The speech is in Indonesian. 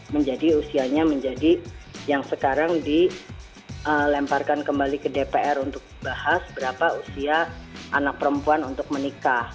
menjadi usianya menjadi yang sekarang dilemparkan kembali ke dpr untuk bahas berapa usia anak perempuan untuk menikah